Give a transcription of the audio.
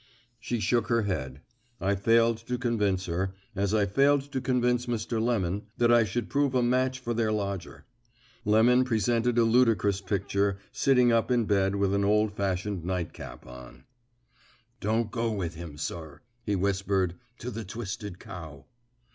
She shook her head. I failed to convince her, as I failed to convince Mr. Lemon, that I should prove a match for their lodger. Lemon presented a ludicrous picture, sitting up in bed with an old fashioned nightcap on. "Don't go with him, sir," he whispered, "to the Twisted Cow."